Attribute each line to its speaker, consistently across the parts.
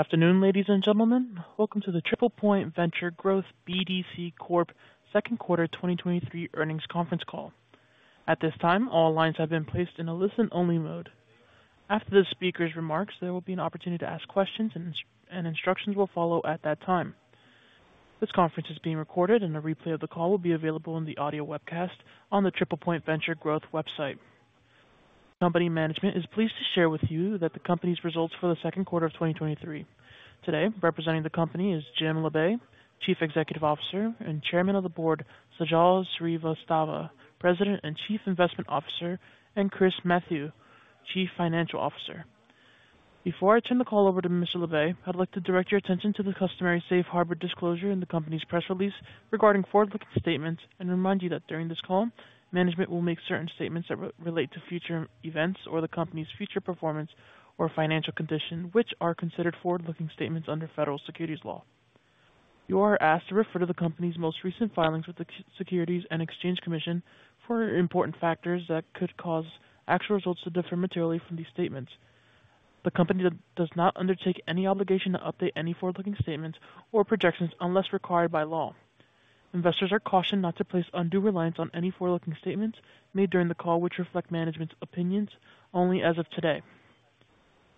Speaker 1: Afternoon, ladies and gentlemen. Welcome to the TriplePoint Venture Growth BDC Corp Second Quarter 2023 Earnings Conference Call. At this time, all lines have been placed in a listen-only mode. After the speaker's remarks, there will be an opportunity to ask questions, and instructions will follow at that time. This conference is being recorded, and a replay of the call will be available in the audio webcast on the TriplePoint Venture Growth website. Company management is pleased to share with you that the company's results for the second quarter of 2023. Today, representing the company is Jim Labe, Chief Executive Officer, and Chairman of the Board, Sajal Srivastava, President and Chief Investment Officer, and Chris Mathieu, Chief Financial Officer. Before I turn the call over to Mr. Labe, I'd like to direct your attention to the customary Safe Harbor disclosure in the company's press release regarding forward-looking statements and remind you that during this call, management will make certain statements that relate to future events or the company's future performance or financial condition, which are considered forward-looking statements under federal securities law. You are asked to refer to the company's most recent filings with the Securities and Exchange Commission for important factors that could cause actual results to differ materially from these statements. The company does not undertake any obligation to update any forward-looking statements or projections unless required by law. Investors are cautioned not to place undue reliance on any forward-looking statements made during the call, which reflect management's opinions only as of today.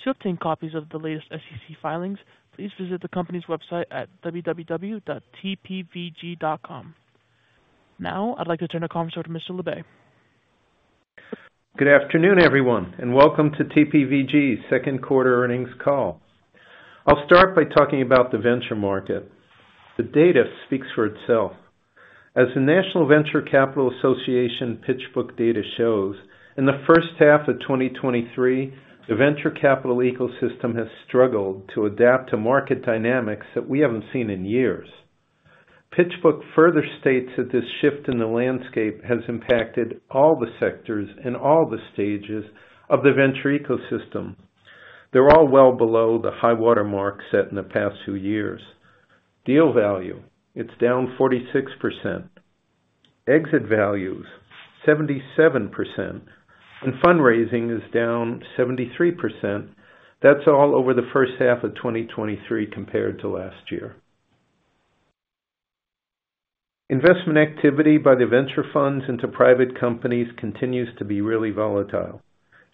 Speaker 1: To obtain copies of the latest SEC filings, please visit the company's website at www.tpvg.com. I'd like to turn the call over to Mr. Labe.
Speaker 2: Good afternoon, everyone, and welcome to TPVG's second quarter earnings call. I'll start by talking about the venture market. The data speaks for itself. As the National Venture Capital Association PitchBook data shows, in the first half of 2023, the venture capital ecosystem has struggled to adapt to market dynamics that we haven't seen in years. PitchBook further states that this shift in the landscape has impacted all the sectors and all the stages of the venture ecosystem. They're all well below the high water mark set in the past two years. Deal value, it's down 46%, exit values, 77%, and fundraising is down 73%. That's all over the first half of 2023 compared to last year. Investment activity by the venture funds into private companies continues to be really volatile.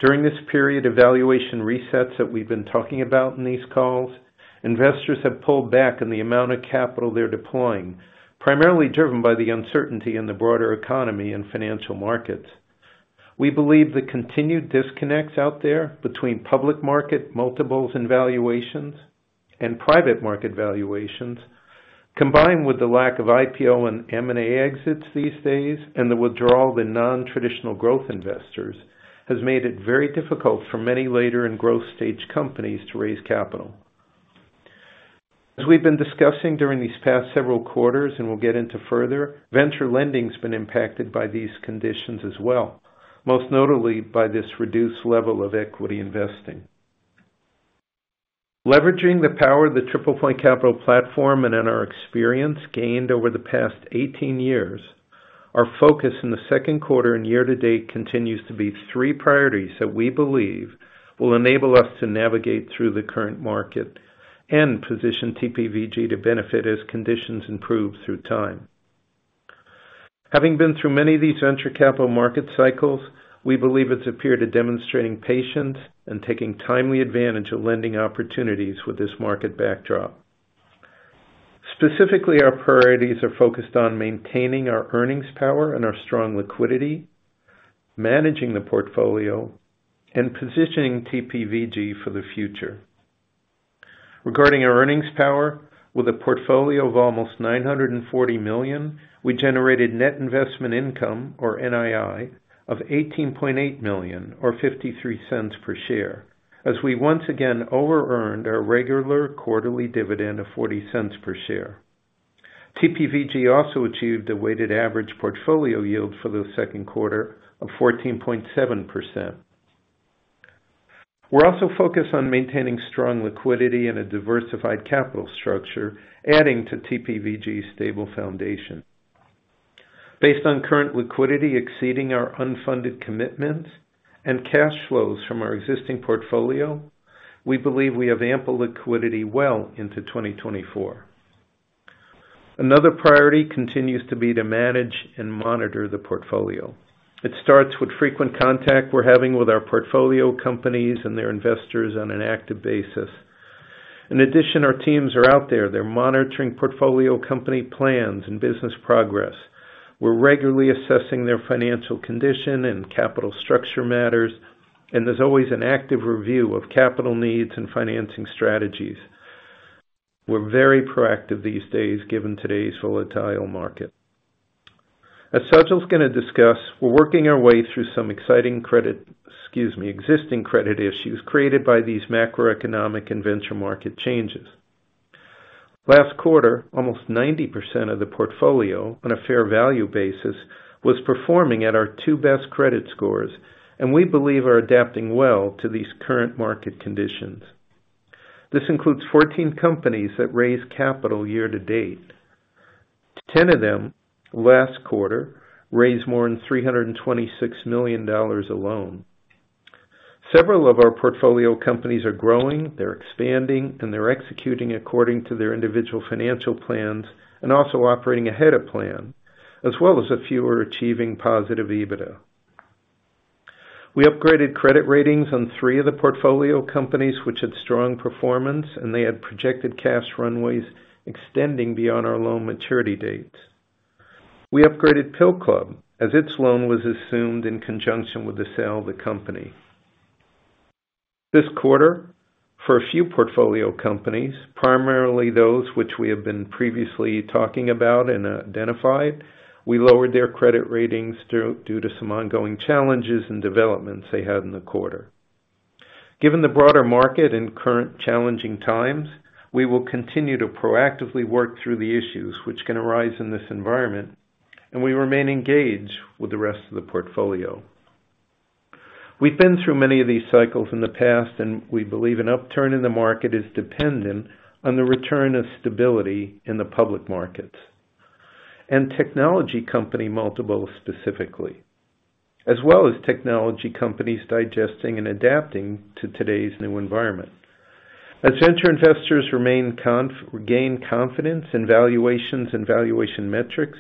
Speaker 2: During this period of valuation resets that we've been talking about in these calls, investors have pulled back on the amount of capital they're deploying, primarily driven by the uncertainty in the broader economy and financial markets. We believe the continued disconnects out there between public market multiples and valuations and private market valuations, combined with the lack of IPO and M&A exits these days and the withdrawal of the non-traditional growth investors, has made it very difficult for many later and growth stage companies to raise capital. As we've been discussing during these past several quarters, and we'll get into further, venture lending's been impacted by these conditions as well, most notably by this reduced level of equity investing. Leveraging the power of the TriplePoint Capital platform and in our experience gained over the past 18 years, our focus in the second quarter and year to date continues to be three priorities that we believe will enable us to navigate through the current market and position TPVG to benefit as conditions improve through time. Having been through many of these venture capital market cycles, we believe it's appeared to demonstrating patience and taking timely advantage of lending opportunities with this market backdrop. Specifically, our priorities are focused on maintaining our earnings power and our strong liquidity, managing the portfolio, and positioning TPVG for the future. Regarding our earnings power, with a portfolio of almost $940 million, we generated net investment income, or NII, of $18.8 million, or $0.53 per share, as we once again overearned our regular quarterly dividend of $0.40 per share. TPVG also achieved a weighted average portfolio yield for the second quarter of 14.7%. We're also focused on maintaining strong liquidity and a diversified capital structure, adding to TPVG's stable foundation. Based on current liquidity exceeding our unfunded commitments and cash flows from our existing portfolio, we believe we have ample liquidity well into 2024. Another priority continues to be to manage and monitor the portfolio. It starts with frequent contact we're having with our portfolio companies and their investors on an active basis. In addition, our teams are out there. They're monitoring portfolio company plans and business progress. We're regularly assessing their financial condition and capital structure matters, and there's always an active review of capital needs and financing strategies. We're very proactive these days, given today's volatile market. As Sajal's gonna discuss, we're working our way through some exciting credit-- excuse me, existing credit issues created by these macroeconomic and venture market changes. Last quarter, almost 90% of the portfolio, on a fair value basis, was performing at our two best credit scores and we believe are adapting well to these current market conditions. This includes 14 companies that raised capital year to date. 10 of them last quarter raised more than $326 million alone. Several of our portfolio companies are growing, they're expanding, and they're executing according to their individual financial plans, and also operating ahead of plan, as well as a few are achieving positive EBITDA. We upgraded credit ratings on three of the portfolio companies which had strong performance. They had projected cash runways extending beyond our loan maturity dates. We upgraded The Pill Club, as its loan was assumed in conjunction with the sale of the company. This quarter, for a few portfolio companies, primarily those which we have been previously talking about and identified, we lowered their credit ratings due to some ongoing challenges and developments they had in the quarter. Given the broader market and current challenging times, we will continue to proactively work through the issues which can arise in this environment. We remain engaged with the rest of the portfolio. We've been through many of these cycles in the past, and we believe an upturn in the market is dependent on the return of stability in the public markets and technology company multiples specifically, as well as technology companies digesting and adapting to today's new environment. As venture investors remain gain confidence in valuations and valuation metrics,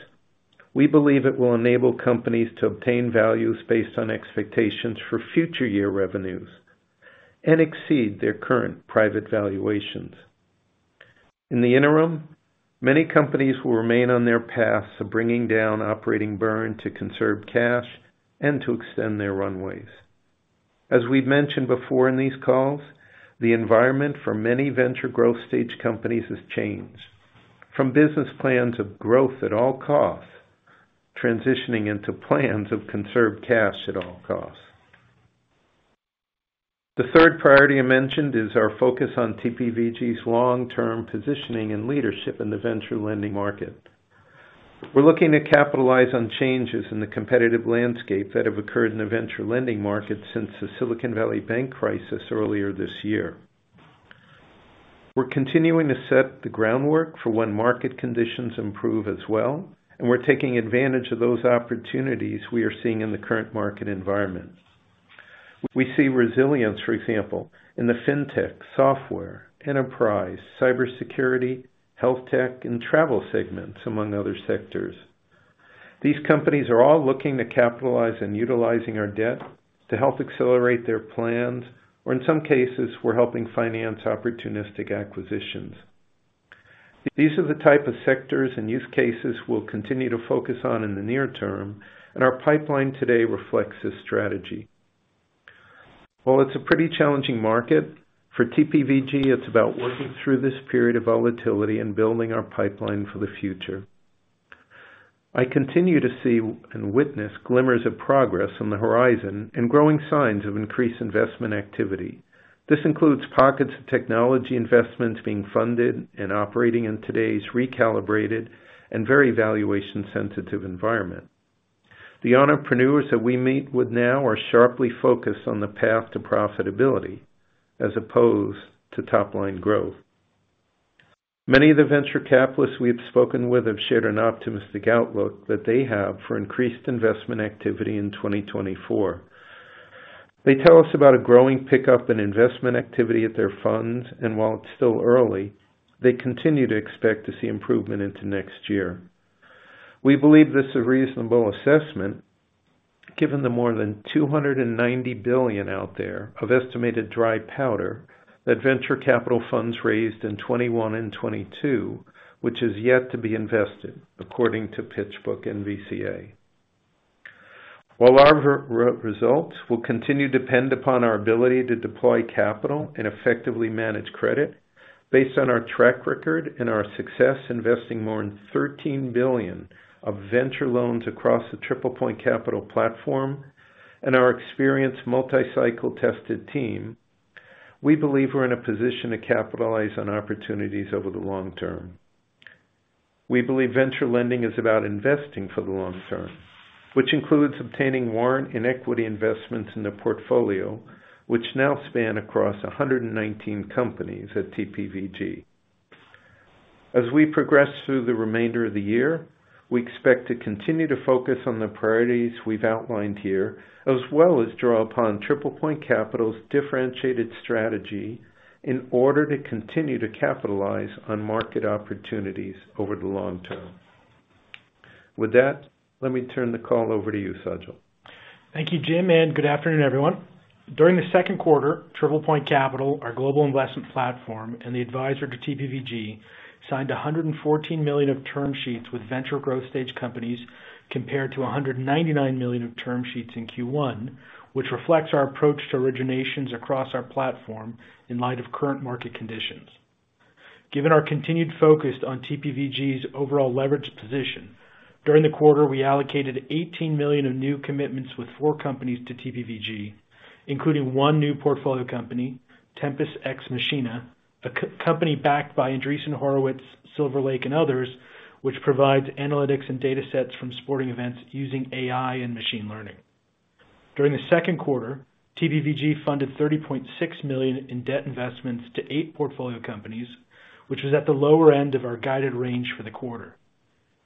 Speaker 2: we believe it will enable companies to obtain values based on expectations for future year revenues and exceed their current private valuations. In the interim, many companies will remain on their paths of bringing down operating burn to conserve cash and to extend their runways. As we've mentioned before in these calls, the environment for many venture growth stage companies has changed from business plans of growth at all costs, transitioning into plans of conserved cash at all costs. The third priority I mentioned is our focus on TPVG's long-term positioning and leadership in the venture lending market. We're looking to capitalize on changes in the competitive landscape that have occurred in the venture lending market since the Silicon Valley Bank crisis earlier this year. We're continuing to set the groundwork for when market conditions improve as well, and we're taking advantage of those opportunities we are seeing in the current market environment. We see resilience, for example, in the Fintech, Software, Enterprise, Cybersecurity, Health tech, and Travel segments, among other sectors. These companies are all looking to capitalize on utilizing our debt to help accelerate their plans, or in some cases, we're helping finance opportunistic acquisitions. These are the type of sectors and use cases we'll continue to focus on in the near term, and our pipeline today reflects this strategy. While it's a pretty challenging market, for TPVG, it's about working through this period of volatility and building our pipeline for the future. I continue to see and witness glimmers of progress on the horizon and growing signs of increased investment activity. This includes pockets of technology investments being funded and operating in today's recalibrated and very valuation-sensitive environment. The entrepreneurs that we meet with now are sharply focused on the path to profitability as opposed to top-line growth. Many of the venture capitalists we have spoken with have shared an optimistic outlook that they have for increased investment activity in 2024. While it's still early, they continue to expect to see improvement into next year. We believe this is a reasonable assessment, given the more than $290 billion out there of estimated dry powder that venture capital funds raised in 2021 and 2022, which is yet to be invested, according to PitchBook and NVCA. While our results will continue to depend upon our ability to deploy capital and effectively manage credit, based on our track record and our success investing more than $13 billion of venture loans across the TriplePoint Capital platform and our experienced multi-cycle tested team, we believe we're in a position to capitalize on opportunities over the long term. We believe venture lending is about investing for the long term, which includes obtaining warrant and equity investments in the portfolio, which now span across 119 companies at TPVG. As we progress through the remainder of the year, we expect to continue to focus on the priorities we've outlined here, as well as draw upon TriplePoint Capital's differentiated strategy in order to continue to capitalize on market opportunities over the long term. With that, let me turn the call over to you, Sajal.
Speaker 3: Thank you, Jim. Good afternoon, everyone. During the second quarter, TriplePoint Capital, our global investment platform and the advisor to TPVG, signed $114 million of term sheets with venture growth stage companies, compared to $199 million of term sheets in Q1, which reflects our approach to originations across our platform in light of current market conditions. Given our continued focus on TPVG's overall leverage position, during the quarter, we allocated $18 million of new commitments with four companies to TPVG, including one new portfolio company, Tempus Ex Machina, a company backed by Andreessen Horowitz, Silver Lake, and others, which provides analytics and data sets from sporting events using AI and machine learning. During the second quarter, TPVG funded $30.6 million in debt investments to eight portfolio companies, which was at the lower end of our guided range for the quarter.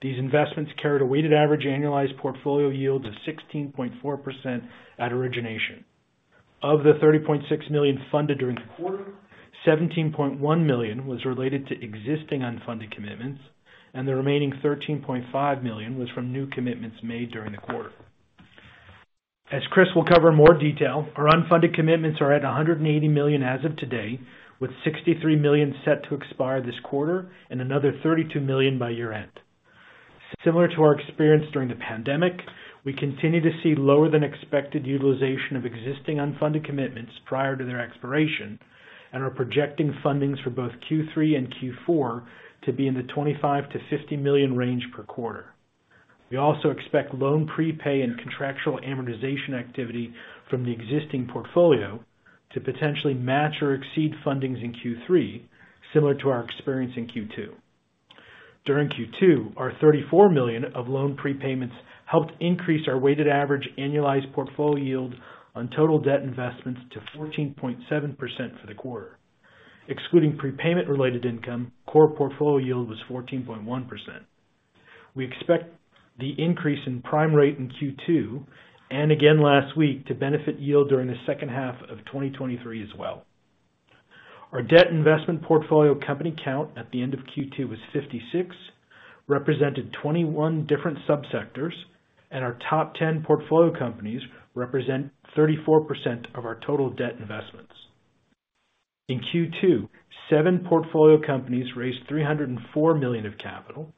Speaker 3: These investments carried a weighted average annualized portfolio yield of 16.4% at origination. Of the $30.6 million funded during the quarter, $17.1 million was related to existing unfunded commitments. The remaining $13.5 million was from new commitments made during the quarter. As Chris will cover in more detail, our unfunded commitments are at $180 million as of today, with $63 million set to expire this quarter and another $32 million by year-end. Similar to our experience during the pandemic, we continue to see lower than expected utilization of existing unfunded commitments prior to their expiration. We are projecting fundings for both Q3 and Q4 to be in the $25 million-$50 million range per quarter. We also expect loan prepay and contractual amortization activity from the existing portfolio to potentially match or exceed fundings in Q3, similar to our experience in Q2. During Q2, our $34 million of loan prepayments helped increase our weighted average annualized portfolio yield on total debt investments to 14.7% for the quarter. Excluding prepayment-related income, core portfolio yield was 14.1%. We expect the increase in prime rate in Q2 and again last week to benefit yield during the second half of 2023 as well. Our debt investment portfolio company count at the end of Q2 was 56, represented 21 different subsectors, and our top 10 portfolio companies represent 34% of our total debt investments. In Q2, 7 portfolio companies raised $304 million of capital,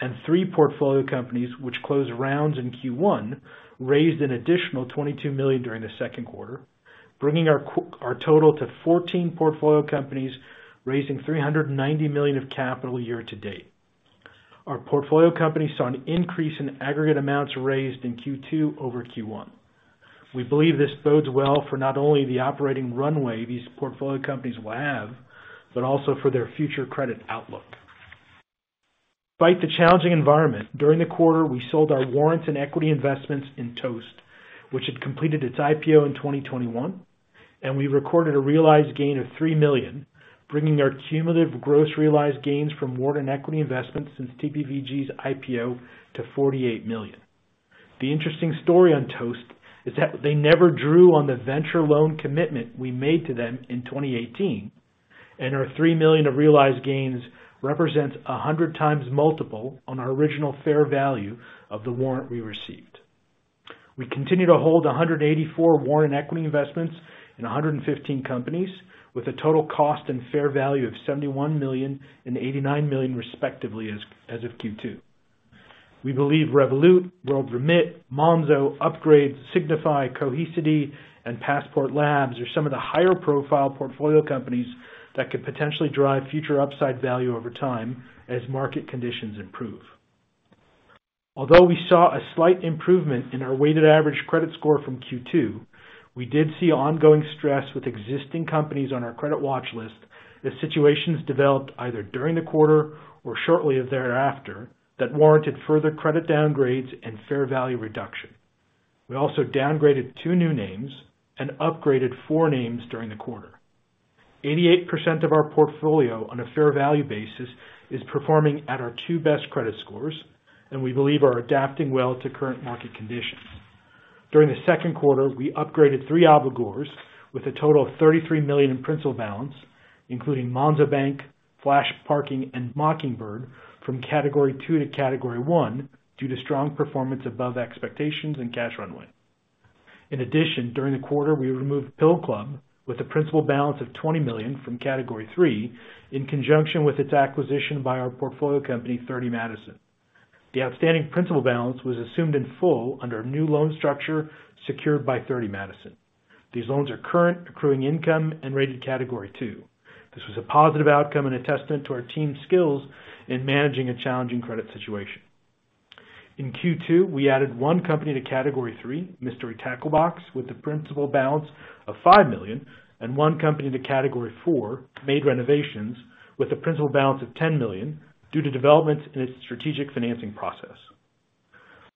Speaker 3: and 3 portfolio companies, which closed rounds in Q1, raised an additional $22 million during the second quarter, bringing our total to 14 portfolio companies, raising $390 million of capital year to date. Our portfolio companies saw an increase in aggregate amounts raised in Q2 over Q1. We believe this bodes well for not only the operating runway these portfolio companies will have, but also for their future credit outlook. Despite the challenging environment, during the quarter, we sold our warrants and equity investments in Toast, which had completed its IPO in 2021, and we recorded a realized gain of $3 million, bringing our cumulative gross realized gains from warrant and equity investments since TPVG's IPO to $48 million. The interesting story on Toast is that they never drew on the venture loan commitment we made to them in 2018, and our $3 million of realized gains represents a 100 times multiple on our original fair value of the warrant we received. We continue to hold 184 warrant equity investments in 115 companies, with a total cost and fair value of $71 million and $89 million, respectively, as of Q2. We believe Revolut, WorldRemit, Monzo, Upgrade, Signifyd, Cohesity, and Passport Labs are some of the higher profile portfolio companies that could potentially drive future upside value over time as market conditions improve. Although we saw a slight improvement in our weighted average credit score from Q2, we did see ongoing stress with existing companies on our credit watch list as situations developed either during the quarter or shortly thereafter, that warranted further credit downgrades and fair value reduction. We also downgraded two new names and upgraded four names during the quarter. 88% of our portfolio, on a fair value basis, is performing at our two best credit scores and we believe are adapting well to current market conditions. During the second quarter, we upgraded three obligors with a total of $33 million in principal balance, including Monzo Bank, FlashParking, and Mockingbird, from Category 2 to Category 1, due to strong performance above expectations and cash runway. In addition, during the quarter, we removed The Pill Club with a principal balance of $20 million from Category three, in conjunction with its acquisition by our portfolio company, Thirty Madison. The outstanding principal balance was assumed in full under a new loan structure secured by Thirty Madison. These loans are current, accruing income, and rated Category two. This was a positive outcome and a testament to our team's skills in managing a challenging credit situation. In Q2, we added one company to Category three, Mystery Tackle Box, with a principal balance of $5 million, and one company to Category Four, Made Renovation, with a principal balance of $10 million, due to developments in its strategic financing process.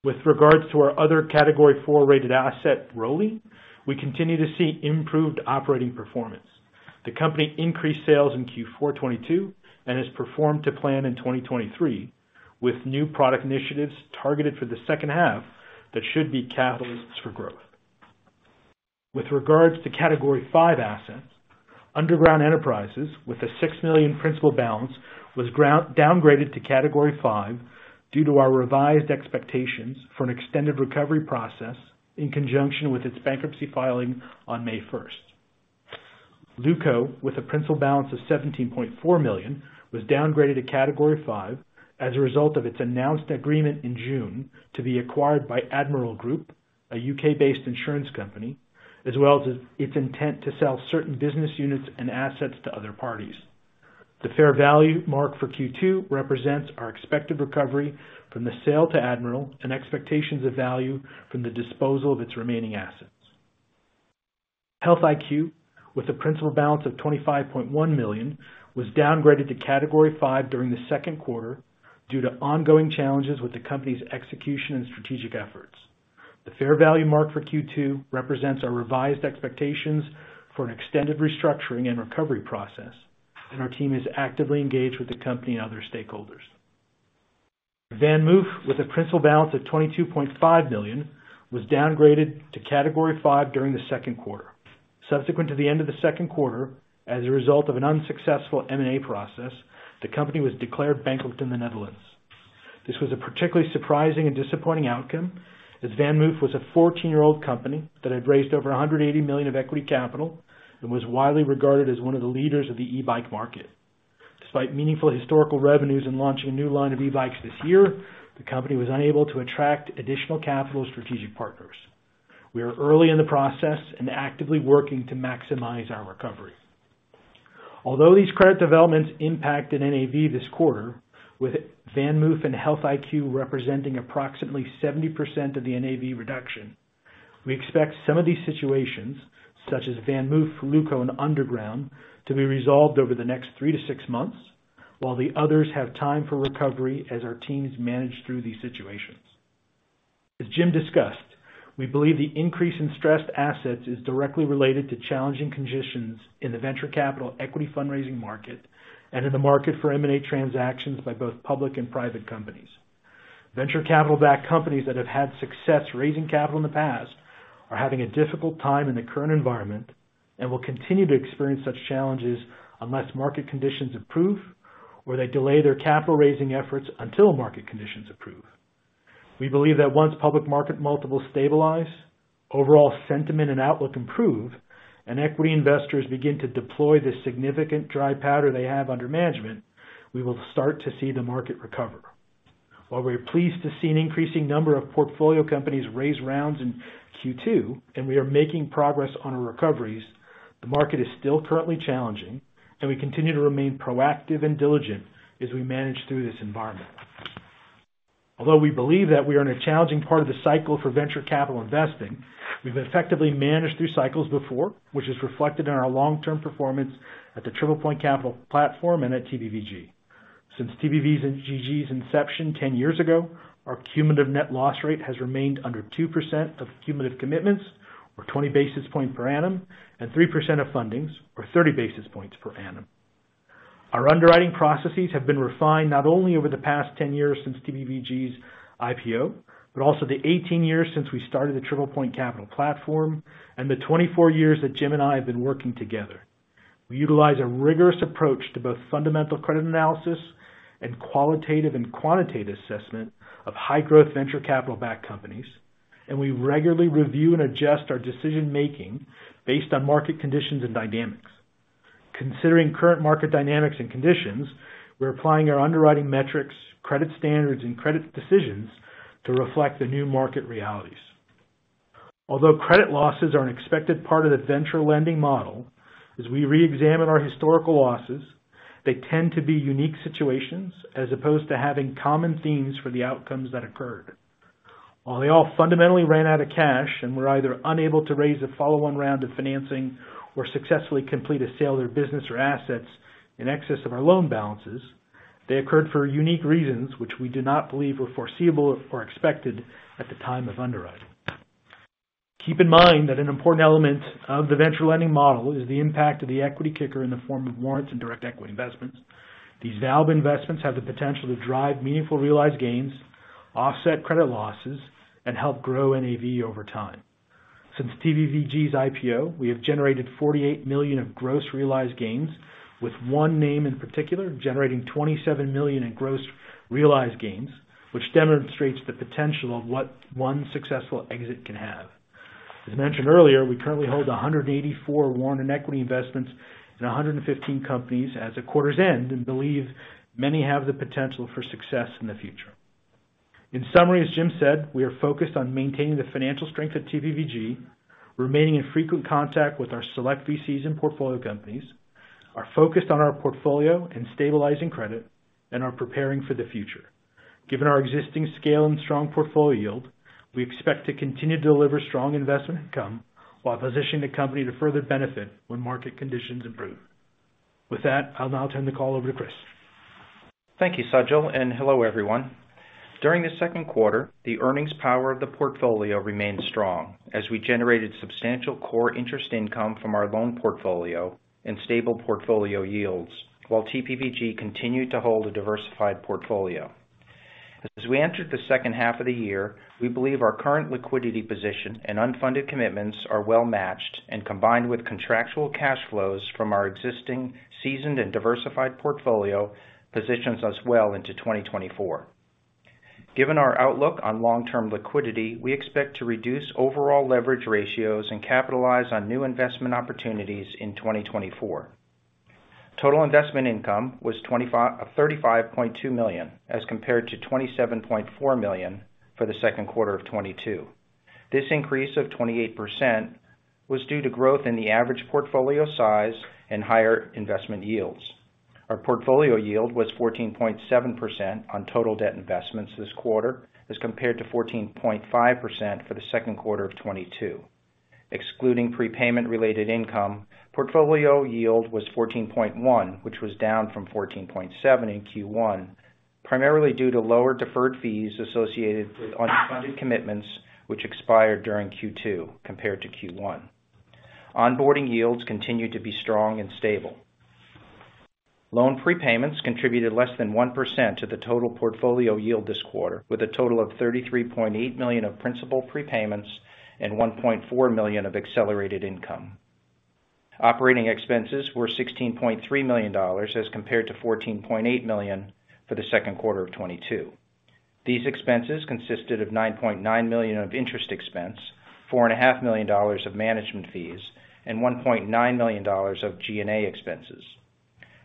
Speaker 3: With regards to our other Category Four-rated asset, Rollie, we continue to see improved operating performance. The company increased sales in Q4 2022 and has performed to plan in 2023, with new product initiatives targeted for the second half that should be catalysts for growth. With regards to Category Five assets, Underground Enterprises, with a $6 million principal balance, was downgraded to Category Five due to our revised expectations for an extended recovery process in conjunction with its bankruptcy filing on May 1st. Luko, with a principal balance of $17.4 million, was downgraded to Category Five as a result of its announced agreement in June to be acquired by Admiral Group, a U.K.-based insurance company, as well as its intent to sell certain business units and assets to other parties. The fair value mark for Q2 represents our expected recovery from the sale to Admiral and expectations of value from the disposal of its remaining assets. Health IQ, with a principal balance of $25.1 million, was downgraded to Category Five during the second quarter due to ongoing challenges with the company's execution and strategic efforts. The fair value mark for Q2 represents our revised expectations for an extended restructuring and recovery process, our team is actively engaged with the company and other stakeholders. VanMoof, with a principal balance of $22.5 million, was downgraded to Category Five during the second quarter. Subsequent to the end of the second quarter, as a result of an unsuccessful M&A process, the company was declared bankrupt in the Netherlands. This was a particularly surprising and disappointing outcome, as VanMoof was a 14-year-old company that had raised over $180 million of equity capital and was widely regarded as one of the leaders of the e-bike market. Despite meaningful historical revenues and launching a new line of e-bikes this year, the company was unable to attract additional capital or strategic partners. We are early in the process and actively working to maximize our recovery. Although these credit developments impacted NAV this quarter, with VanMoof and Health IQ representing approximately 70% of the NAV reduction, we expect some of these situations, such as VanMoof, Luko, and Underground, to be resolved over the next three to six months, while the others have time for recovery as our teams manage through these situations. As Jim discussed, we believe the increase in stressed assets is directly related to challenging conditions in the venture capital equity fundraising market and in the market for M&A transactions by both public and private companies. Venture capital-backed companies that have had success raising capital in the past are having a difficult time in the current environment and will continue to experience such challenges unless market conditions improve or they delay their capital raising efforts until market conditions improve. We believe that once public market multiples stabilize, overall sentiment and outlook improve, and equity investors begin to deploy the significant dry powder they have under management, we will start to see the market recover. While we are pleased to see an increasing number of portfolio companies raise rounds in Q2, and we are making progress on our recoveries, the market is still currently challenging, and we continue to remain proactive and diligent as we manage through this environment. Although we believe that we are in a challenging part of the cycle for venture capital investing, we've effectively managed through cycles before, which is reflected in our long-term performance at the TriplePoint Capital platform and at TPVG. Since TPVG's inception 10 years ago, our cumulative net loss rate has remained under 2% of cumulative commitments, or 20 basis points per annum, and 3% of fundings, or 30 basis points per annum. Our underwriting processes have been refined not only over the past 10 years since TPVG's IPO, but also the 18 years since we started the TriplePoint Capital platform and the 24 years that Jim and I have been working together. We utilize a rigorous approach to both fundamental credit analysis and qualitative and quantitative assessment of high-growth, venture capital-backed companies, and we regularly review and adjust our decision-making based on market conditions and dynamics. Considering current market dynamics and conditions, we're applying our underwriting metrics, credit standards, and credit decisions to reflect the new market realities. Although credit losses are an expected part of the venture lending model, as we reexamine our historical losses, they tend to be unique situations as opposed to having common themes for the outcomes that occurred. While they all fundamentally ran out of cash and were either unable to raise a follow-on round of financing or successfully complete a sale of their business or assets in excess of our loan balances, they occurred for unique reasons which we do not believe were foreseeable or expected at the time of underwriting. Keep in mind that an important element of the venture lending model is the impact of the equity kicker in the form of warrants and direct equity investments. These valve investments have the potential to drive meaningful realized gains, offset credit losses, and help grow NAV over time. Since TPVG's IPO, we have generated $48 million of gross realized gains, with one name in particular generating $27 million in gross realized gains, which demonstrates the potential of what one successful exit can have. As mentioned earlier, we currently hold 184 warrant and equity investments in 115 companies as of quarter's end, and believe many have the potential for success in the future. In summary, as Jim said, we are focused on maintaining the financial strength of TPVG, remaining in frequent contact with our select VCs and portfolio companies, are focused on our portfolio and stabilizing credit, and are preparing for the future. Given our existing scale and strong portfolio yield, we expect to continue to deliver strong investment income while positioning the company to further benefit when market conditions improve. With that, I'll now turn the call over to Chris.
Speaker 4: Thank you, Sajal. Hello, everyone. During the second quarter, the earnings power of the portfolio remained strong as we generated substantial core interest income from our loan portfolio and stable portfolio yields, while TPVG continued to hold a diversified portfolio. As we entered the second half of the year, we believe our current liquidity position and unfunded commitments are well matched, and combined with contractual cash flows from our existing seasoned and diversified portfolio, positions us well into 2024. Given our outlook on long-term liquidity, we expect to reduce overall leverage ratios and capitalize on new investment opportunities in 2024. Total investment income was $35.2 million, as compared to $27.4 million for the second quarter of 2022. This increase of 28% was due to growth in the average portfolio size and higher investment yields. Our portfolio yield was 14.7% on total debt investments this quarter, as compared to 14.5% for the second quarter of 2022. Excluding prepayment-related income, portfolio yield was 14.1, which was down from 14.7 in Q1, primarily due to lower deferred fees associated with unfunded commitments, which expired during Q2 compared to Q1. Onboarding yields continued to be strong and stable. Loan prepayments contributed less than 1% to the total portfolio yield this quarter, with a total of $33.8 million of principal prepayments and $1.4 million of accelerated income. Operating expenses were $16.3 million, as compared to $14.8 million for the second quarter of 2022. These expenses consisted of $9.9 million of interest expense, $4.5 million of management fees, and $1.9 million of G&A expenses.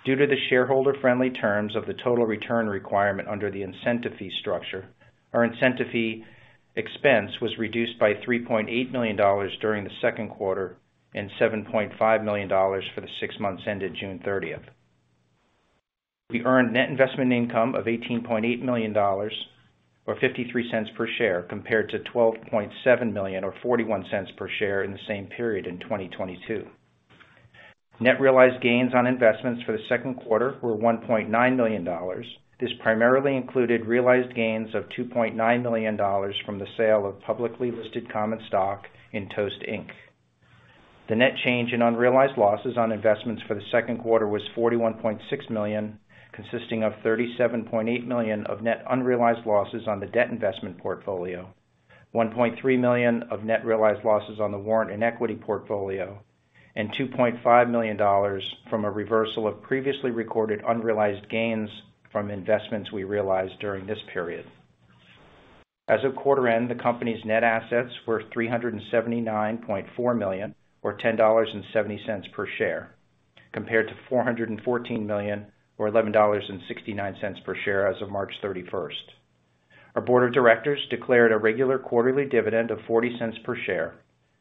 Speaker 4: Due to the shareholder-friendly terms of the total return requirement under the incentive fee structure, our incentive fee expense was reduced by $3.8 million during the second quarter and $7.5 million for the six months ended June 30th. We earned net investment income of $18.8 million, or $0.53 per share, compared to $12.7 million or $0.41 per share in the same period in 2022. Net realized gains on investments for the second quarter were $1.9 million. This primarily included realized gains of $2.9 million from the sale of publicly listed common stock in Toast, Inc. The net change in unrealized losses on investments for the second quarter was $41.6 million, consisting of $37.8 million of net unrealized losses on the debt investment portfolio, $1.3 million of net realized losses on the warrant and equity portfolio, and $2.5 million from a reversal of previously recorded unrealized gains from investments we realized during this period. As of quarter end, the company's net assets were $379.4 million, or $10.70 per share, compared to $414 million, or $11.69 per share as of March 31st. Our board of directors declared a regular quarterly dividend of $0.40 per share.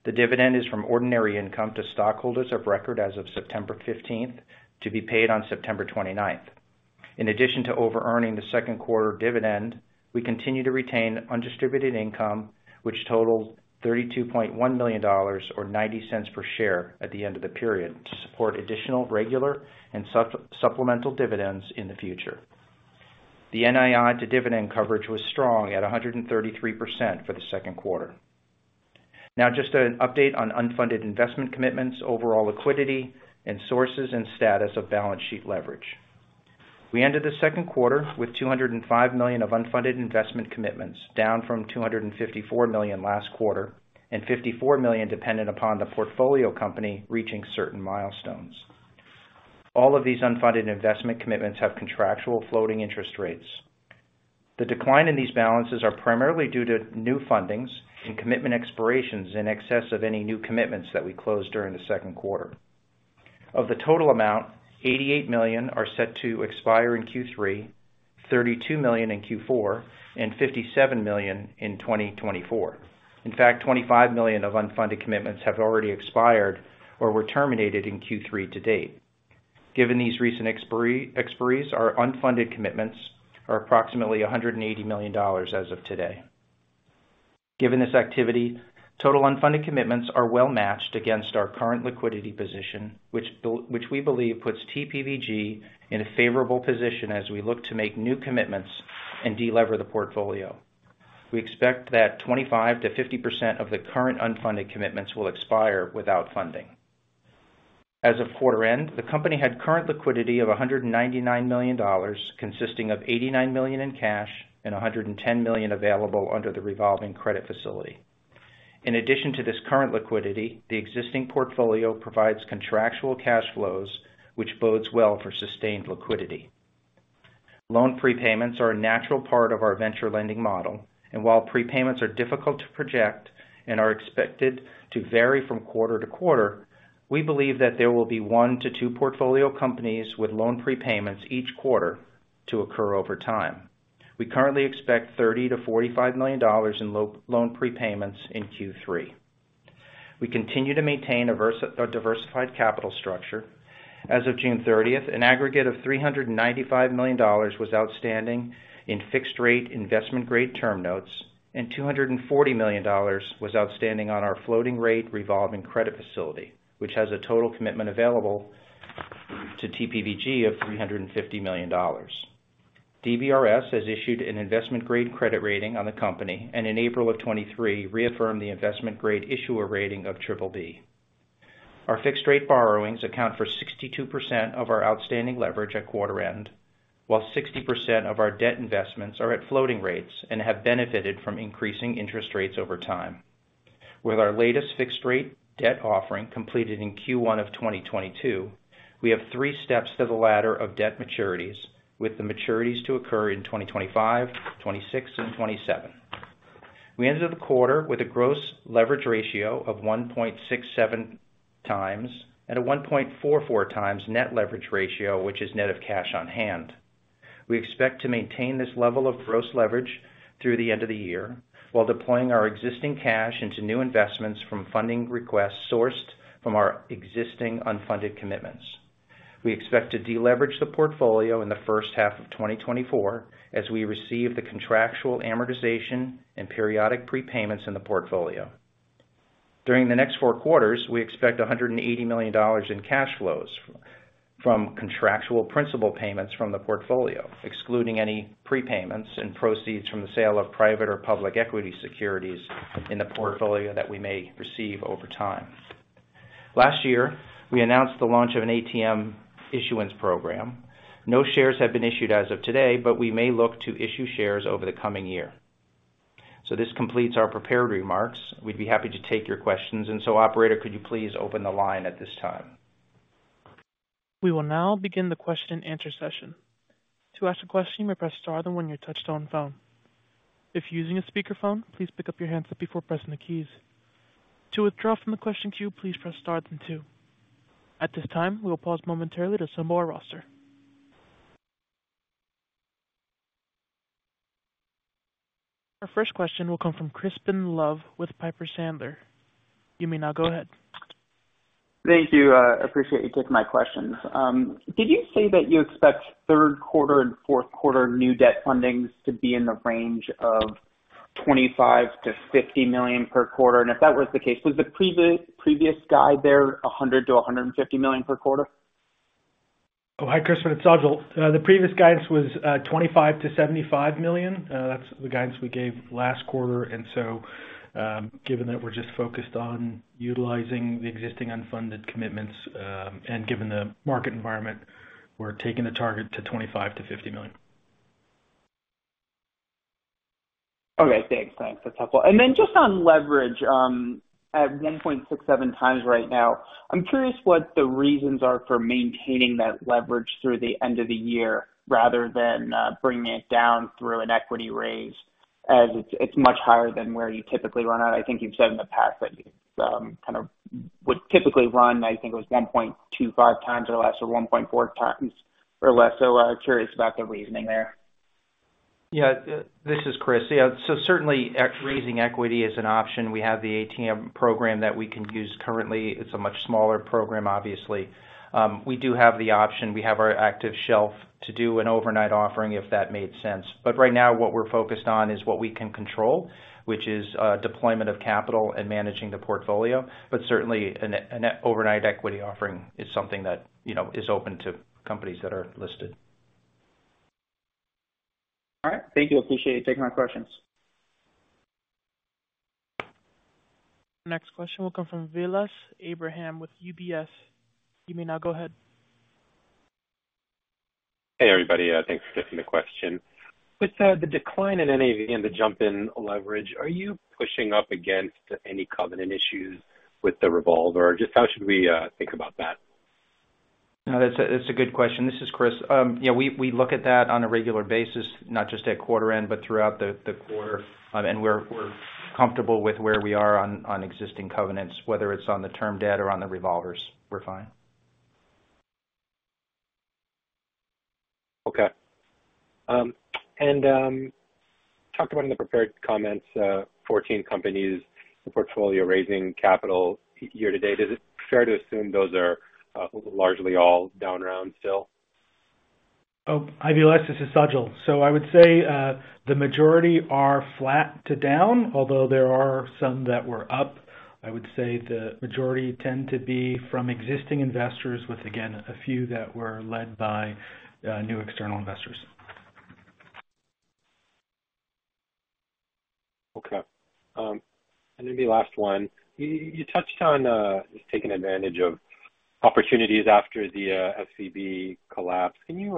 Speaker 4: The dividend is from ordinary income to stockholders of record as of September 15th, to be paid on September 29th. In addition to overearning the second quarter dividend, we continue to retain undistributed income, which totaled $32.1 million or $0.90 per share at the end of the period, to support additional regular and supplemental dividends in the future. The NII to dividend coverage was strong at 133% for the second quarter. Now, just an update on unfunded investment commitments, overall liquidity, and sources and status of balance sheet leverage. We ended the second quarter with $205 million of unfunded investment commitments, down from $254 million last quarter, and $54 million dependent upon the portfolio company reaching certain milestones. All of these unfunded investment commitments have contractual floating interest rates. The decline in these balances are primarily due to new fundings and commitment expirations in excess of any new commitments that we closed during the second quarter. Of the total amount, $88 million are set to expire in Q3, $32 million in Q4, and $57 million in 2024. In fact, $25 million of unfunded commitments have already expired or were terminated in Q3 to date. Given these recent expiries, our unfunded commitments are approximately $180 million as of today. Given this activity, total unfunded commitments are well matched against our current liquidity position, which we believe puts TPVG in a favorable position as we look to make new commitments and delever the portfolio. We expect that 25%-50% of the current unfunded commitments will expire without funding. As of quarter end, the company had current liquidity of $199 million, consisting of $89 million in cash and $110 million available under the revolving credit facility. In addition to this current liquidity, the existing portfolio provides contractual cash flows, which bodes well for sustained liquidity. Loan prepayments are a natural part of our venture lending model, and while prepayments are difficult to project and are expected to vary from quarter to quarter, we believe that there will be one to two portfolio companies with loan prepayments each quarter to occur over time. We currently expect $30 million-$45 million in loan prepayments in Q3. We continue to maintain a diversified capital structure. As of June thirtieth, an aggregate of $395 million was outstanding in fixed rate investment grade term notes, and $240 million was outstanding on our floating rate revolving credit facility, which has a total commitment available to TPVG of $350 million. DBRS has issued an investment grade credit rating on the company. In April of 2023, reaffirmed the investment grade issuer rating of triple B. Our fixed rate borrowings account for 62% of our outstanding leverage at quarter end, while 60% of our debt investments are at floating rates and have benefited from increasing interest rates over time. With our latest fixed rate debt offering completed in Q1 of 2022, we have three steps to the ladder of debt maturities, with the maturities to occur in 2025, 2026, and 2027. We ended the quarter with a gross leverage ratio of 1.67 times and a 1.44 times net leverage ratio, which is net of cash on hand. We expect to maintain this level of gross leverage through the end of the year, while deploying our existing cash into new investments from funding requests sourced from our existing unfunded commitments. We expect to deleverage the portfolio in the first half of 2024 as we receive the contractual amortization and periodic prepayments in the portfolio. During the next four quarters, we expect $180 million in cash flows from contractual principal payments from the portfolio, excluding any prepayments and proceeds from the sale of private or public equity securities in the portfolio that we may receive over time. Last year, we announced the launch of an ATM issuance program. No shares have been issued as of today, but we may look to issue shares over the coming year. This completes our prepared remarks. We'd be happy to take your questions, and so operator, could you please open the line at this time?
Speaker 1: We will now begin the question and answer session. To ask a question, press star, then one your touchtone phone. If you're using a speakerphone, please pick up your handset before pressing the keys. To withdraw from the question queue, please press star then two. At this time, we will pause momentarily to assemble our roster. Our first question will come from Crispin Love with Piper Sandler. You may now go ahead.
Speaker 5: Thank you. I appreciate you taking my questions. Did you say that you expect third quarter and fourth quarter new debt fundings to be in the range of $25 million-$50 million per quarter? If that was the case, was the previous guide there $100 million-$150 million per quarter?
Speaker 3: Oh, hi, Crispin, it's Sajal. The previous guidance was $25 million-$75 million. That's the guidance we gave last quarter. Given that we're just focused on utilizing the existing unfunded commitments, and given the market environment, we're taking the target to $25 million-$50 million.
Speaker 5: Okay, thanks. Thanks. That's helpful. Then just on leverage, at 1.67x right now, I'm curious what the reasons are for maintaining that leverage through the end of the year rather than bringing it down through an equity raise, as it's, it's much higher than where you typically run at. I think you've said in the past that you kind of would typically run, I think it was 1.25x or less, or 1.4x or less. Curious about the reasoning there.
Speaker 4: Yeah. This is Chris. Certainly raising equity is an option. We have the ATM program that we can use. Currently, it's a much smaller program, obviously. We do have the option. We have our active shelf to do an overnight offering, if that made sense. Right now, what we're focused on is what we can control, which is deployment of capital and managing the portfolio. Certainly, an overnight equity offering is something that, you know, is open to companies that are listed.
Speaker 5: All right. Thank you. Appreciate you taking my questions.
Speaker 1: Next question will come from Vilas Abraham with UBS. You may now go ahead.
Speaker 6: Hey, everybody, thanks for taking the question. With the decline in NAV and the jump in leverage, are you pushing up against any covenant issues with the revolver? Just how should we think about that?
Speaker 4: No, that's a, that's a good question. This is Chris. Yeah, we look at that on a regular basis, not just at quarter end, but throughout the quarter. We're comfortable with where we are on existing covenants, whether it's on the term debt or on the revolvers, we're fine.
Speaker 6: Okay. talked about in the prepared comments, 14 companies, the portfolio raising capital year to date. Is it fair to assume those are, largely all down round still?
Speaker 3: Oh, hi, Vilas. This is Sajal. I would say, the majority are flat to down, although there are some that were up. I would say the majority tend to be from existing investors with, again, a few that were led by, new external investors.
Speaker 6: Okay. Then the last one. You touched on taking advantage of opportunities after the SVB collapse. Can you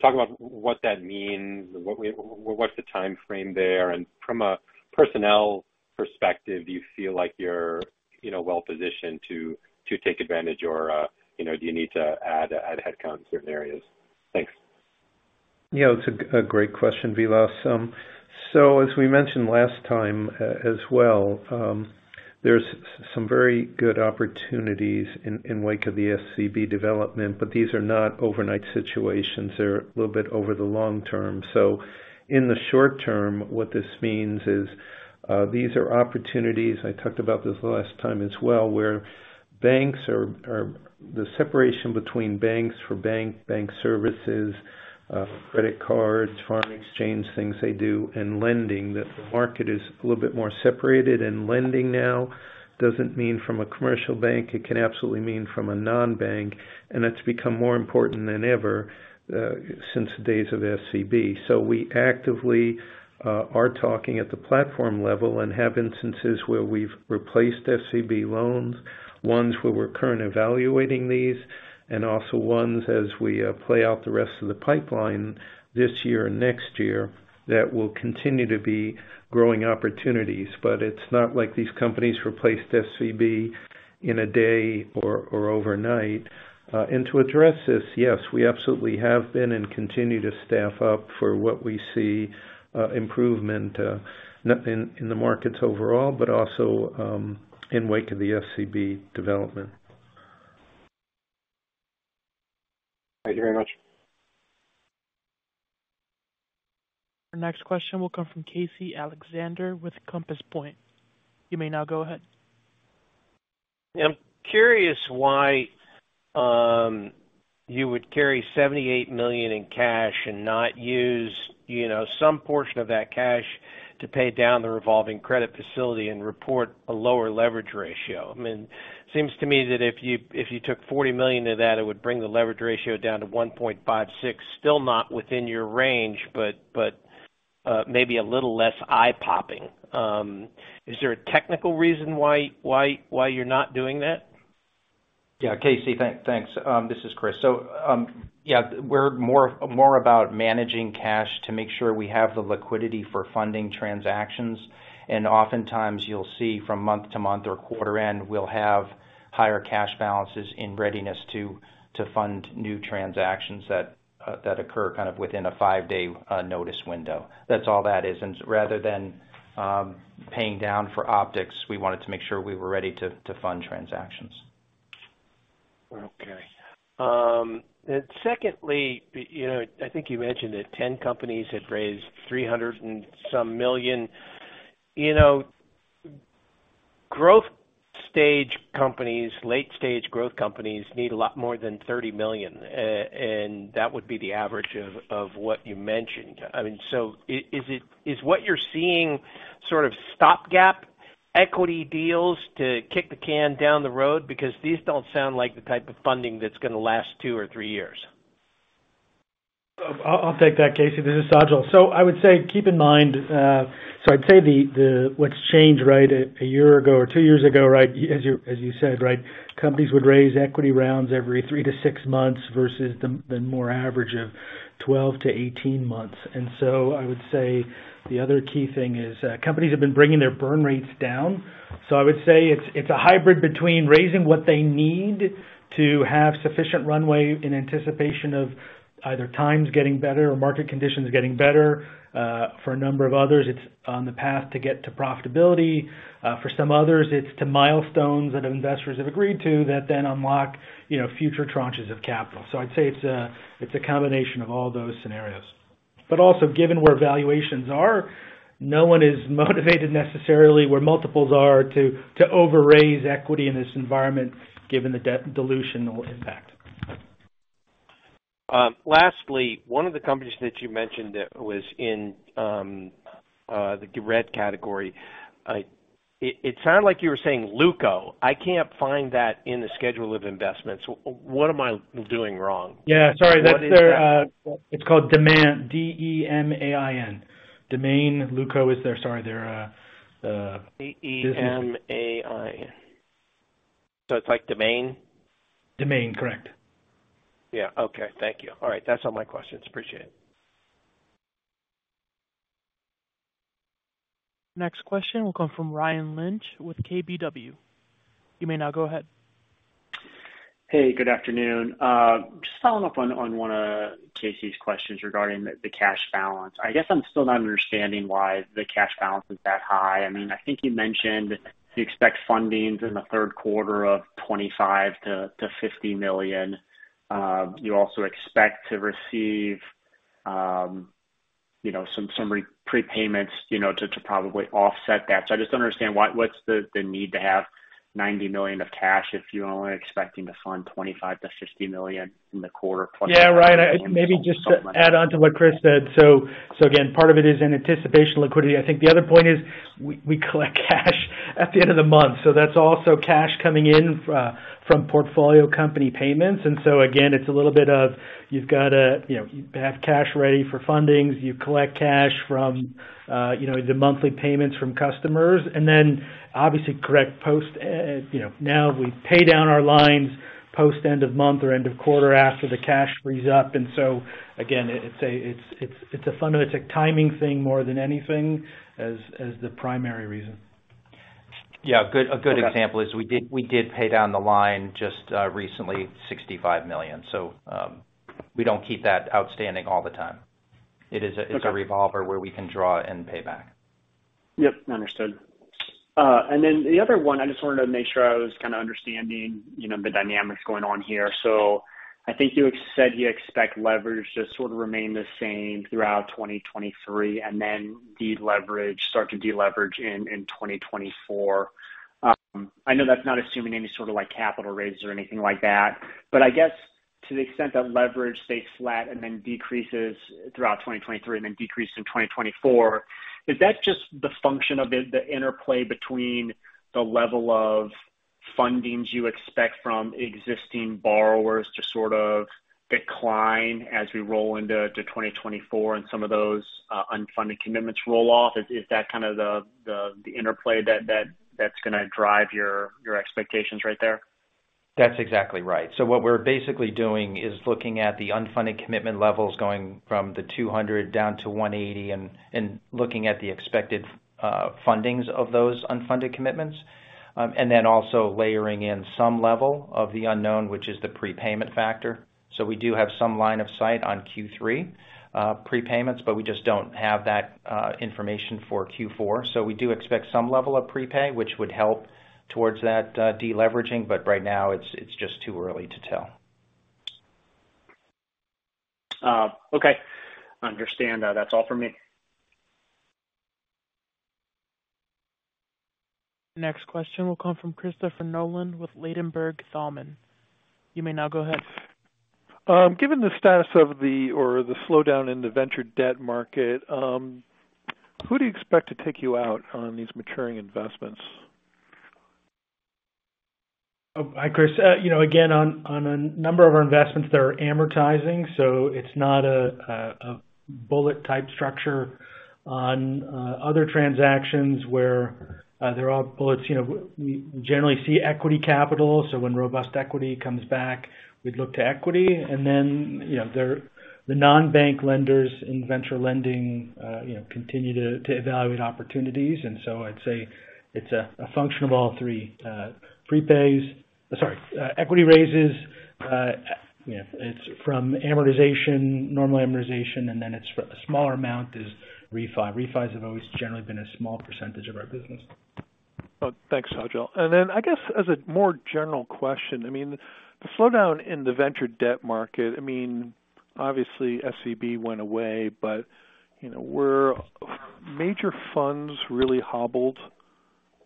Speaker 6: talk about what that means, and what, what's the timeframe there? From a personnel perspective, do you feel like you're, you know, well-positioned to, to take advantage, or, you know, do you need to add, add headcount in certain areas? Thanks.
Speaker 2: Yeah, it's a, a great question, Vilas. As we mentioned last time, as well, there's some very good opportunities in, in wake of the SVB development, but these are not overnight situations. They're a little bit over the long term. In the short term, what this means is, these are opportunities, I talked about this last time as well, where banks are the separation between banks for bank, bank services, credit cards, foreign exchange things they do, and lending, that the market is a little bit more separated. Lending now doesn't mean from a commercial bank, it can absolutely mean from a non-bank, and that's become more important than ever since the days of SVB. We actively are talking at the platform level and have instances where we've replaced SVB loans, ones where we're currently evaluating these, and also ones as we play out the rest of the pipeline this year and next year, that will continue to be growing opportunities. It's not like these companies replaced SVB in a day or, or overnight. To address this, yes, we absolutely have been and continue to staff up for what we see improvement, not in the markets overall, but also in wake of the SVB development.
Speaker 7: Thank you very much.
Speaker 1: Our next question will come from Casey Alexander with Compass Point. You may now go ahead.
Speaker 8: I'm curious why you would carry $78 million in cash and not use, you know, some portion of that cash to pay down the revolving credit facility and report a lower leverage ratio. I mean, seems to me that if you, if you took $40 million of that, it would bring the leverage ratio down to 1.56. Still not within your range, but, but maybe a little less eye-popping. Is there a technical reason why, why, why you're not doing that?
Speaker 4: Yeah. Casey Alexander, thanks. This is Chris. So. Yeah, we're more, more about managing cash to make sure we have the liquidity for funding transactions. Oftentimes you'll see from month to month or quarter end, we'll have higher cash balances in readiness to fund new transactions that occur kind of within a five-day notice window. That's all that is. Rather than paying down for optics, we wanted to make sure we were ready to fund transactions.
Speaker 8: Okay. Secondly, you know, I think you mentioned that 10 companies had raised $300 and some million. You know, growth stage companies, late-stage growth companies, need a lot more than $30 million, and that would be the average of, of what you mentioned. I mean, so is what you're seeing sort of stopgap equity deals to kick the can down the road? Because these don't sound like the type of funding that's gonna last two or three years.
Speaker 3: I'll, I'll take that, Casey. This is Sajal. I would say, keep in mind. I'd say the, the, what's changed, right, a year ago or two years ago, right, as you, as you said, right, companies would raise equity rounds every 3-6 months versus the, the more average of 12-18 months. I would say the other key thing is, companies have been bringing their burn rates down. I would say it's, it's a hybrid between raising what they need to have sufficient runway in anticipation of either times getting better or market conditions getting better. For a number of others, it's on the path to get to profitability. For some others, it's to milestones that investors have agreed to that then unlock, you know, future tranches of capital. I'd say it's a, it's a combination of all those scenarios. Also, given where valuations are, no one is motivated necessarily where multiples are to over raise equity in this environment, given the de- dilution impact.
Speaker 8: Lastly, one of the companies that you mentioned that was in the red category. It sounded like you were saying Luco. I can't find that in the schedule of investments. What am I doing wrong?
Speaker 3: Yeah, sorry.
Speaker 8: What is that?
Speaker 3: That's their. It's called Demain, D-E-M-A-I-N. Demain. Luco is their, sorry, their.
Speaker 8: D-E-M-A-I-N. It's like Demain?
Speaker 3: Demain, correct.
Speaker 8: Yeah. Okay. Thank you. All right. That's all my questions. Appreciate it.
Speaker 1: Next question will come from Ryan Lynch with KBW. You may now go ahead.
Speaker 9: Hey, good afternoon. Just following up on one of Casey's questions regarding the cash balance. I guess I'm still not understanding why the cash balance is that high. I mean, I think you mentioned you expect fundings in the third quarter of $25 million-$50 million. You also expect to receive, you know, some prepayments, you know, to probably offset that. I just don't understand, what's the need to have $90 million of cash if you're only expecting to fund $25 million-$60 million in the quarter plus-
Speaker 3: Yeah, Ryan, I maybe just to add on to what Chris said. Again, part of it is in anticipation of liquidity. I think the other point is, we, we collect cash at the end of the month, so that's also cash coming in, from portfolio company payments. Again, it's a little bit of, you've got to, you know, have cash ready for fundings, you collect cash from, you know, the monthly payments from customers, and then obviously, correct, post, you know, now we pay down our lines post end of month or end of quarter after the cash frees up. Again, it's a, it's, it's, it's a fundamental, it's a timing thing more than anything, as, as the primary reason.
Speaker 4: Yeah, a good example is we did, we did pay down the line just recently, $65 million. We don't keep that outstanding all the time.
Speaker 9: Okay.
Speaker 4: It is a, it's a revolver where we can draw and pay back.
Speaker 9: Yep. Understood. The other one, I just wanted to make sure I was kinda understanding, you know, the dynamics going on here. I think you said you expect leverage to sort of remain the same throughout 2023, and then deleverage, start to deleverage in, in 2024. I know that's not assuming any sort of, like, capital raises or anything like that, but I guess to the extent that leverage stays flat and then decreases throughout 2023 and then decreases in 2024, is that just the function of the, the interplay between the level of fundings you expect from existing borrowers to sort of decline as we roll into to 2024 and some of those unfunded commitments roll off? Is, is that kind of the, the, the interplay that, that, that's gonna drive your, your expectations right there?
Speaker 4: That's exactly right. What we're basically doing is looking at the unfunded commitment levels going from the 200 down to 180 and, and looking at the expected fundings of those unfunded commitments. And then also layering in some level of the unknown, which is the prepayment factor. We do have some line of sight on Q3 prepayments, but we just don't have that information for Q4. We do expect some level of prepay, which would help towards that deleveraging, but right now it's, it's just too early to tell.
Speaker 9: Okay, understand. That's all for me.
Speaker 1: Next question will come from Christopher Nolan with Ladenburg Thalmann. You may now go ahead.
Speaker 10: Given the status of the or the slowdown in the venture debt market, who do you expect to take you out on these maturing investments?
Speaker 3: Oh, hi, Chris. You know, again, on, on a number of our investments, they're amortizing, so it's not a bullet-type structure. On other transactions where there are bullets, you know, we generally see equity capital. When robust equity comes back, we'd look to equity. Then, you know, there the non-bank lenders in venture lending, you know, continue to, to evaluate opportunities. I'd say it's a function of all three, prepays. Sorry, equity raises. You know, it's from amortization, normal amortization, and then it's a smaller amount is REFIS have always generally been a small percentage of our business.
Speaker 10: Well, thanks, Sajal. Then, I guess, as a more general question, I mean, the slowdown in the venture debt market, I mean, obviously SVB went away, but, you know, were major funds really hobbled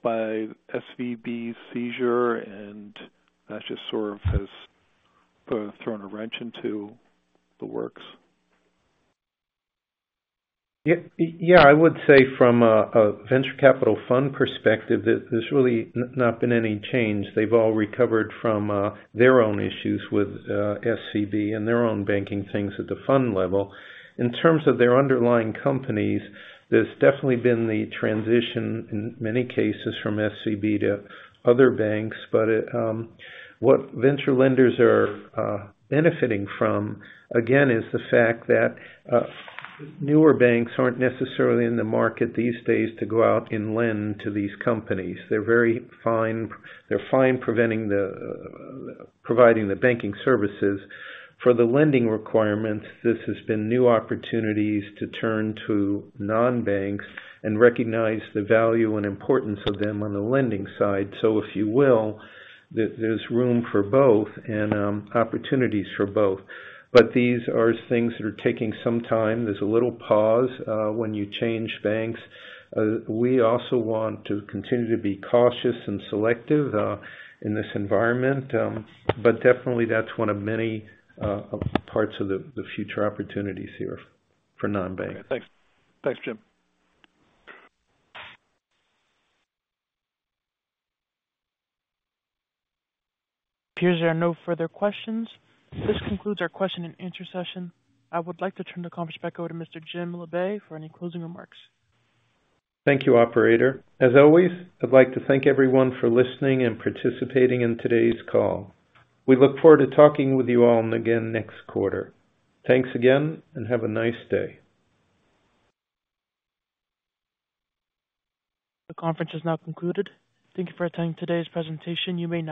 Speaker 10: by SVB's seizure, and that just sort of has thrown a wrench into the works?
Speaker 2: Yeah. Yeah, I would say from a venture capital fund perspective, there, there's really not been any change. They've all recovered from their own issues with SVB and their own banking things at the fund level. In terms of their underlying companies, there's definitely been the transition in many cases from SVB to other banks. It, what venture lenders are benefiting from, again, is the fact that newer banks aren't necessarily in the market these days to go out and lend to these companies. They're fine preventing the providing the banking services. For the lending requirements, this has been new opportunities to turn to non-banks and recognize the value and importance of them on the lending side. If you will, there, there's room for both and opportunities for both. These are things that are taking some time. There's a little pause when you change banks. We also want to continue to be cautious and selective in this environment. Definitely that's one of many parts of the future opportunities here for non-bank.
Speaker 10: Thanks. Thanks, Jim.
Speaker 1: Appears there are no further questions. This concludes our question and answer session. I would like to turn the conference back over to Mr. Jim Labe for any closing remarks.
Speaker 2: Thank you, operator. As always, I'd like to thank everyone for listening and participating in today's call. We look forward to talking with you all again next quarter. Thanks again, and have a nice day.
Speaker 1: The conference has now concluded. Thank you for attending today's presentation. You may now disconnect.